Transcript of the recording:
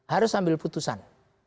harus ambil putusan